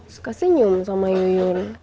suka senyum sama iyun